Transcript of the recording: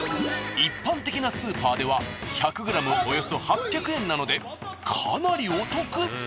一般的なスーパーでは１００ｇおよそ８００円なのでかなりお得。